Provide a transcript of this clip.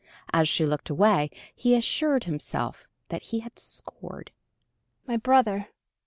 As she looked away, he assured himself that he had scored. "My brother